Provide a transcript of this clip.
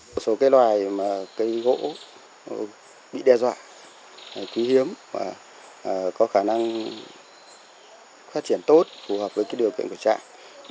một số cây loài mà cây gỗ bị đe dọa quý hiếm và có khả năng phát triển tốt phù hợp với điều kiện của trạm